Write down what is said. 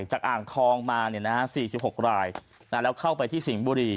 อ่างทองมา๔๖รายแล้วเข้าไปที่สิงห์บุรี